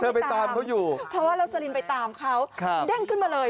ไปตามเขาอยู่เพราะว่าโรสลินไปตามเขาเด้งขึ้นมาเลย